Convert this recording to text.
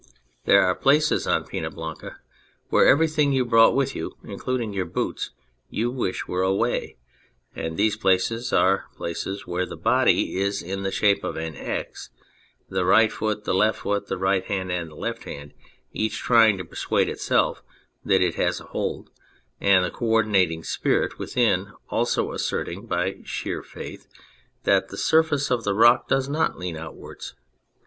There are places on Pena Blanca where everything you brought with you, including your boots, you wish were away, and these places are places where the body is in the shape of an X, the right foot, the left foot, the right hand and the left hand each trying to persuade itself that it has a hold, and the co ordinating spirit within also asserting by sheer faith that the surface of the rock does not lean outwards.